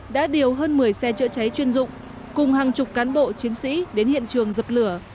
đã điều hơn một mươi xe chữa cháy chuyên dụng cùng hàng chục cán bộ chiến sĩ đến hiện trường dập lửa